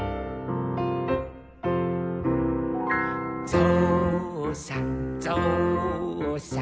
「ぞうさんぞうさん」